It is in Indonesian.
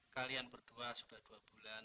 kalian berdua sudah dua bulan